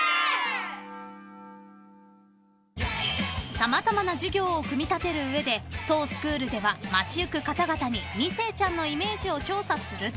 ［様々な授業を組み立てる上で当スクールでは街行く方々に２世ちゃんのイメージを調査すると］